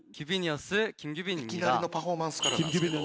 いきなりのパフォーマンスからなんですけど。